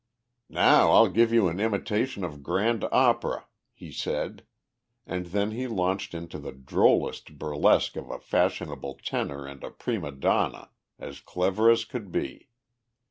"Now I'll give you an imitation of grand opera," he said; and then he launched into the drollest burlesque of a fashionable tenor and a prima donna, as clever as could be.